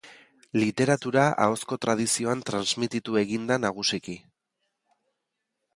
Literatura ahozko tradizioan transmititu egin da nagusiki.